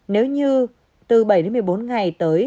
nếu như từ bảy đến một mươi bốn ngày tới